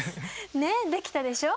ねっできたでしょ！